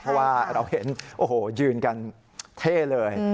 เพราะว่าเราเห็นโอ้โหยืนกันเท่เลย